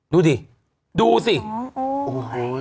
ดูดิดูสิเงิน